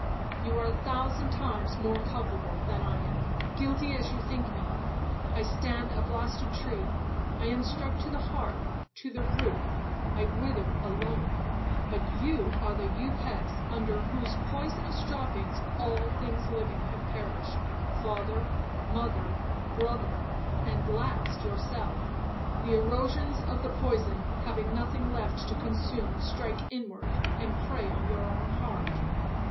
You are a thousand times more culpable than I am, guilty as you think me. I stand a blasted tree,—I am struck to the heart, to the root,—I wither alone,—but you are the Upas, under whose poisonous droppings all things living have perished,—father—mother—brother, and last yourself;—the erosions of the poison, having nothing left to consume, strike inward, and prey on your own heart.